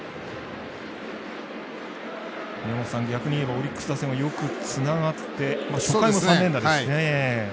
宮本さん、逆に言えばオリックス打線はよくつながって初回も３連打ですしね。